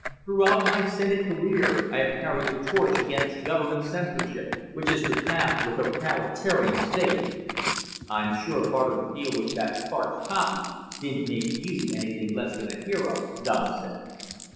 Throughout my Senate career I have carried the torch against government censorship, which is the path to a totalitarian state." "I'm sure part of the deal was that Clark's copy didn't make you anything less than a hero," Don said.